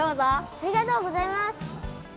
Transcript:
ありがとうございます。